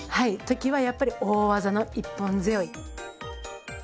時はやっぱり大技の一本背負。